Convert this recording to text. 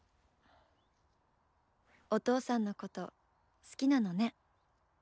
お父さんのこと好きなのね。